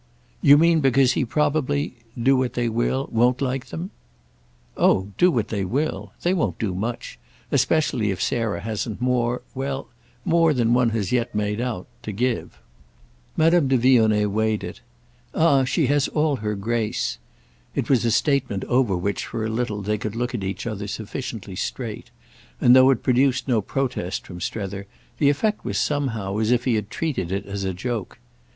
"You mean because he probably—do what they will—won't like them?" "Oh 'do what they will'—! They won't do much; especially if Sarah hasn't more—well, more than one has yet made out—to give." Madame de Vionnet weighed it. "Ah she has all her grace!" It was a statement over which, for a little, they could look at each other sufficiently straight, and though it produced no protest from Strether the effect was somehow as if he had treated it as a joke.